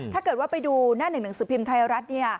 ถ้าไปดูหน้า๑๑๑สิทธิ์ภิมิตรไทยรัฐ